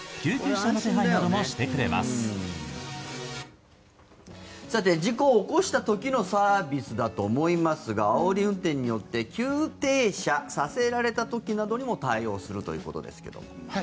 事故を起こした時のサービスだと思いますがあおり運転によって急停車させられた時などにも対応するということですけど。